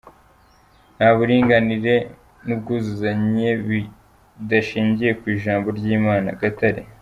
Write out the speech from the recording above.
Nta buringanire n’ubwuzuzanye bidashingiye ku ijambo ry’Imana-Gatare